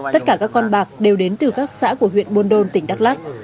tất cả các con bạc đều đến từ các xã của huyện buôn đôn tỉnh đắk lắc